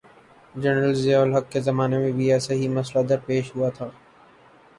General Zia ul-Haq کے زمانے میں بھی ایسا ہی مسئلہ درپیش ہوا تھا۔